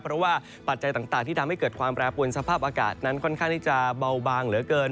เพราะว่าปัจจัยต่างที่ทำให้เกิดความแปรปวนสภาพอากาศนั้นค่อนข้างที่จะเบาบางเหลือเกิน